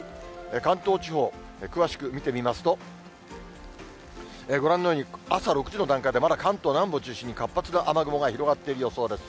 関東地方、詳しく見てみますと、ご覧のように、朝６時の段階で、まだ関東南部を中心に、活発な雨雲が広がっている予想です。